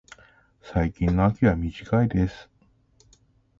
最近の秋は短いです。